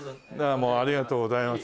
もうありがとうございます。